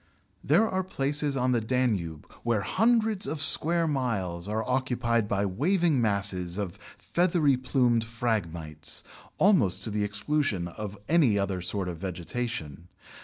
There are places on the Danube where hundreds of square miles are occupied by waving masses of the feathery plumed Phragmites, almost to the exclusion of any other sort of vegetation.